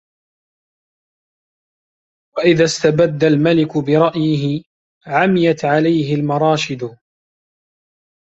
وَإِذَا اسْتَبَدَّ الْمَلِكُ بِرَأْيِهِ عَمِيَتْ عَلَيْهِ الْمَرَاشِدُ